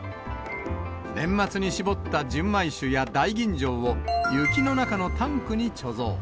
年末に搾った純米酒や大吟醸を、雪の中のタンクに貯蔵。